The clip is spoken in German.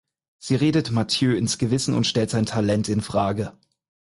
Sie redet Mathieu ins Gewissen und stellt sein Talent infrage.